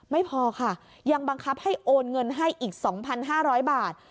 ไม่พอค่ะยังบังคับให้โอนเงินให้อีก๒๕๐๐บาท